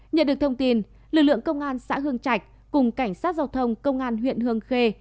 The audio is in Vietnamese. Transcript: nhận được thông tin lực lượng công an xã hương trạch cùng cảnh sát giao thông công an huyện hương khê